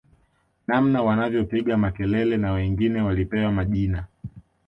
Namna wanavyopiga makelele na wengine walipewa majina